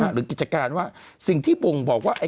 กิจการว่าสิ่งที่บ่งบอกว่า